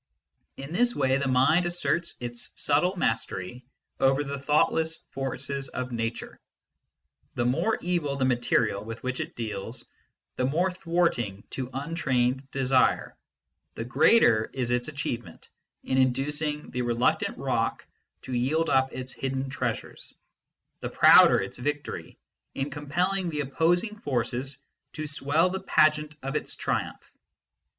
In this way mind asserts its subtle mastery over the thoughtless forces of Nature. The more evil the material with which it deals, the more thwarting to untrained desire, the greater is its achievement in inducing the reluctant rock to yield up its hidden treasures, the prouder its victory in compelling the opposing forces to swell the pageant of its triumph.